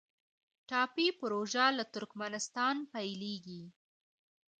ټاپي پروژه له ترکمنستان پیلیږي